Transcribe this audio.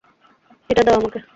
এটা দাও আমাকে।